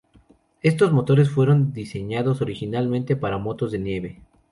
Estos motores fueron diseñados originalmente para motos de nieve.